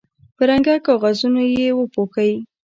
په رنګه کاغذونو یې وپوښوئ.